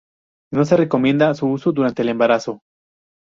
No se recomienda su uso durante el embarazo.